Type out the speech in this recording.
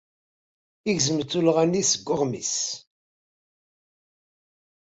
Yegzem-d tullɣa-nni seg uɣmis.